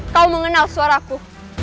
kau mengenal suaraku